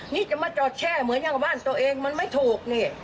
นี่จะมาจอดแช่เหมือนอย่างกับบ้านตัวเองมันไม่ถูกนี่